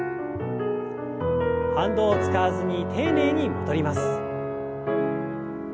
反動を使わずに丁寧に戻ります。